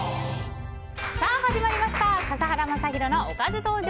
始まりました笠原将弘のおかず道場。